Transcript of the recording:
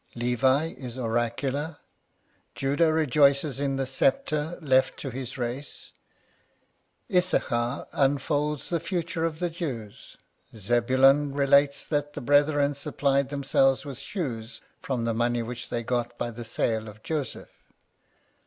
Levi is oracular ; Judah rejoices in the sceptre left to his race ; Issachar unfolds the future of the Jews ; Zebulun relates that the brethren supplied themselves with shoes from the money which they got by the sale of Joseph.